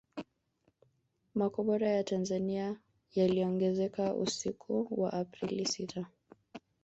Makombora ya Tanzania yaliongezeka usiku wa Aprili sita